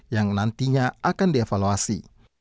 yang nantinya akan dievaluasi